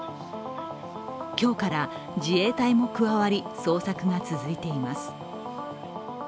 今日から自衛隊も加わり捜索が続いています。